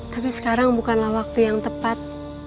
tapi sekarang bukanlah waktu yang tepat